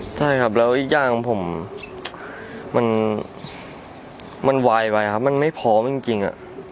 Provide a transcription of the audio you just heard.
ใช่ครับแล้วอีกอย่างของผมมันไวไปครับมันไม่พร้อมจริง